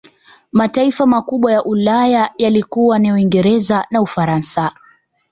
Mataifa makubwa ya Ulaya yalikuwa ni Uingereza na Ufaransa